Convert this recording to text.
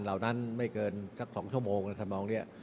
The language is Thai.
เหล่านั้นไม่เกินสัก๒ชั่วโมงนะครับมองเนี่ย